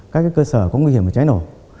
các cơ sở có nguy hiểm và cháy nổ